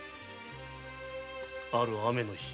ある雨の日